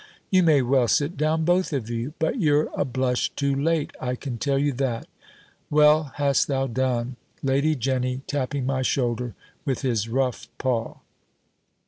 You may well sit down both of you; but you're a blush too late, I can tell you that. Well hast thou done. Lady Jenny," tapping my shoulder with his rough paw.